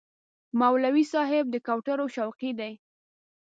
مولوي صاحب د کوترو شوقي دی.